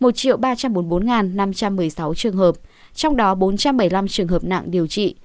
ba trăm một mươi sáu trường hợp trong đó bốn trăm bảy mươi năm trường hợp nặng điều trị